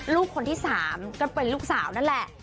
ลูกคนที่๓ก็เป็นลูกสาวนั่นแหละ